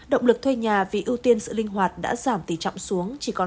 động lực thuê nhà vì ưu tiên sự linh hoạt đã giảm tỉ trọng xuống chỉ còn hai mươi bảy